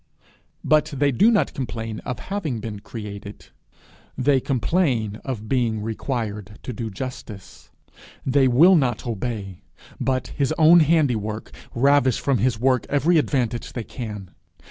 But they do not complain of having been created; they complain of being required to do justice. They will not obey, but, his own handiwork, ravish from his work every advantage they can!